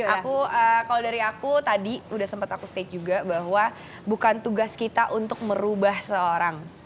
aku kalau dari aku tadi udah sempat aku state juga bahwa bukan tugas kita untuk merubah seseorang